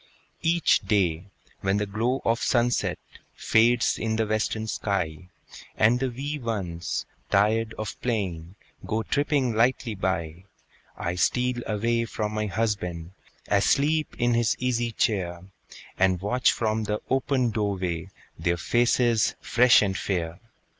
Each day, when the glow of sunset Fades in the western sky, And the wee ones, tired of playing, Go tripping lightly by, I steal away from my husband, Asleep in his easy chair, And watch from the open door way Their faces fresh and fair.